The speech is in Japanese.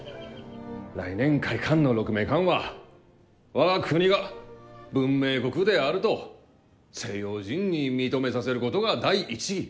来年開館の鹿鳴館は我が国が文明国であると西洋人に認めさせることが第一義。